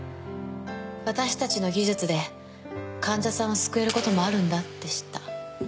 私たちの技術で患者さんを救えることもあるんだって知った。